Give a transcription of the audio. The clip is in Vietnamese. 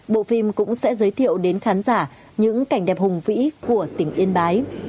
bộ phim cũng sẽ giới thiệu đến khán giả những cảnh đẹp hùng vĩ của tỉnh yên bái